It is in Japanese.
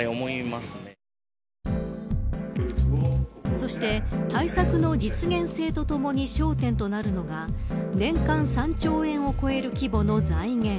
そして対策の実現性とともに焦点となるのが、年間３兆円を超える規模の財源。